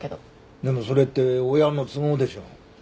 でもそれって親の都合でしょう。